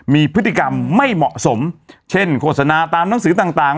มีพฤติกรรมไม่เหมาะสมเช่นโฆษณาตามหนังสือต่าง